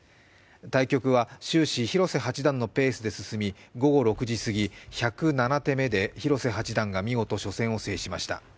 対局は終始、広瀬八段のペースで進み、午後６時すぎ１０７手目で広瀬八段が見事初戦を制しました。